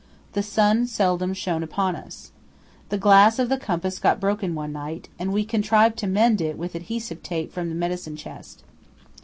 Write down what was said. The sun seldom shone upon us. The glass of the compass got broken one night, and we contrived to mend it with adhesive tape from the medicine chest.